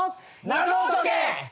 謎を解け！